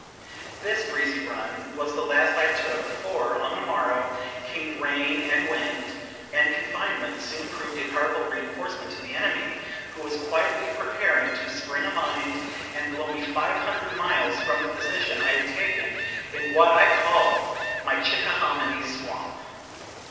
This breezy run was the last I took; for, on the morrow, came rain and wind: and confinement soon proved a powerful reinforcement to the enemy, who was quietly preparing to spring a mine, and blow me five hundred miles from the position I had taken in what I called my Chickahominy Swamp.